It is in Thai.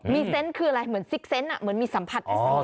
มีเซนต์คืออะไรเหมือนซิกเซนต์เหมือนมีสัมผัสพิเศษ